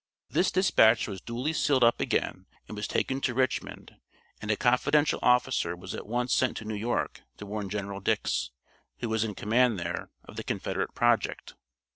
This dispatch was duly sealed up again and was taken to Richmond, and a confidential officer was at once sent to New York to warn General Dix, who was in command there, of the Confederate project.